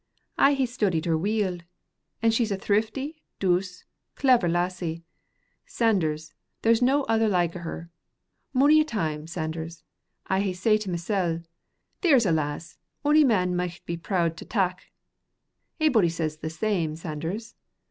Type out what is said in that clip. I hae studied her weel, and she's a thrifty, douce, clever lassie. Sanders, there's no the like o' her. Mony a time, Sanders, I hae said to mysel, There's a lass ony man micht be prood to tak. A'body says the same, Sanders.